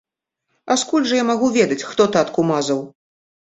А скуль жа я магу ведаць, хто татку мазаў?